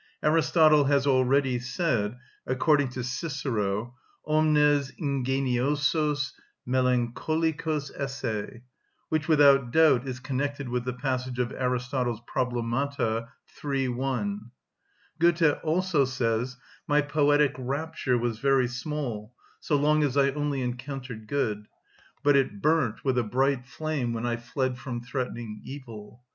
Aristotle has already said, according to Cicero (Tusc., i. 33), "Omnes ingeniosos melancholicos esse;" which without doubt is connected with the passage of Aristotle's "Problemata," xxx. 1. Goethe also says: "My poetic rapture was very small, so long as I only encountered good; but it burnt with a bright flame when I fled from threatening evil.